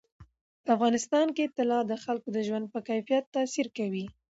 په افغانستان کې طلا د خلکو د ژوند په کیفیت تاثیر کوي.